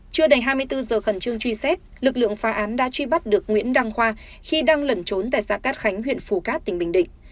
chưa đầy hai mươi bốn giờ khẩn trương truy xét lực lượng phá án đã truy bắt được nguyễn đăng khoa khi đang lẩn trốn tại xã cát khánh huyện phù cát tỉnh bình định